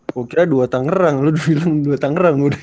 aku kira dua tanggerang lu bilang dua tanggerang lu deh